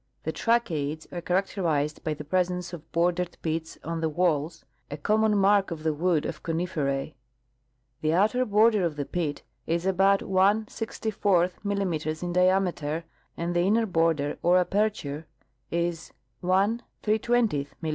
The tracheides are characterized by the presence of bordered pits on their walls, a common mark of the wood of conifera:^. The outer border of the pit is about ttL mm in diameter, and the inner border or aperture is 3^ mm.